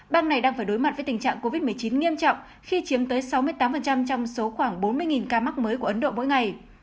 bang này đang phải đối mặt với tình trạng covid một mươi chín nghiêm trọng khi chiếm tới sáu mươi tám trong số khoảng bốn mươi ca mắc mới của ấn độ mỗi ngày